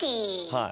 はい。